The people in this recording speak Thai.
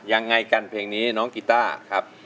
ยังไงกันเพลงนี้น้องกีต้าครับ